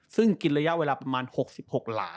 ซึ่งกินระยะเวลาประมาณ๖๖หลา